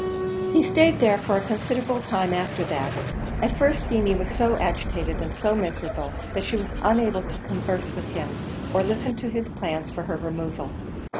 He stayed there for a considerable time after that; at first Feemy was so agitated and so miserable, that she was unable to converse with him, or listen to his plans for her removal.